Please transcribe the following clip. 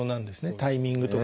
タイミングとか。